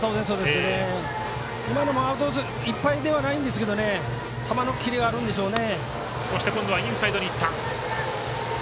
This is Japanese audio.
今のコースいっぱいではないんですけど球のキレがあるんでしょうね。